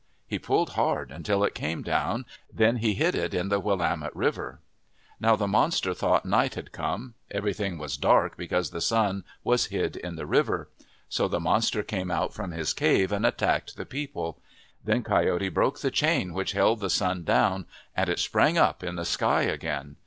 He pulled hard until it came down. Then he hid it in the Willamette River. Now the monster thought night had come. Everything was dark because the sun was hid in the 116 OF THE PACIFIC NORTHWEST river. So the monster came out from his cave and attacked the people. Then Coyote broke the chain which held the sun down, and it sprang up in the sky again.